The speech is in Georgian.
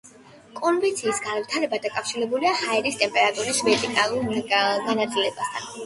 კონვექციის განვითარება დაკავშირებულია ჰაერის ტემპერატურის ვერტიკალურ განაწილებასთან.